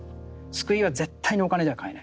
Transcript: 救いは絶対にお金じゃ買えない。